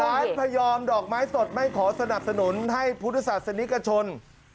พระพยอมดอกไม้สดไม่ขอสนับสนุนให้พุทธศาสนิกชน